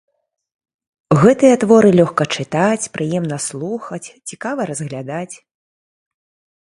Гэтыя творы лёгка чытаць, прыемна слухаць, цікава разглядаць.